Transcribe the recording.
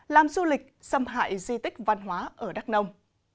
làm du lịch xâm hại di tích văn hóa ở đắk nông